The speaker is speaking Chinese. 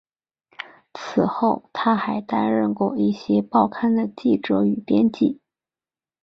此后他还曾担任过一些报刊的记者与编辑。